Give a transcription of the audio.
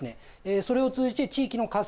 それを通じて地域の活性化。